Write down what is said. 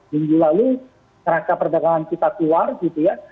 minggu lalu neraca perdagangan kita keluar gitu ya